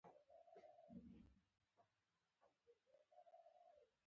پکورې له شنه مرچ نه بېل نه دي